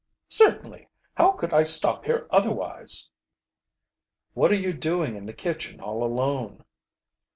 "Certainly. How could I stop here otherwise?" "What are you doing in the kitchen all alone?'"